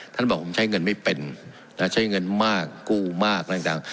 ท่านบอกผมใช้เงินไม่เป็นใช้เงินมากกู้มากอะไรต่าง